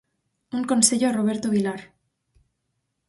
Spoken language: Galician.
Un consello a Roberto Vilar.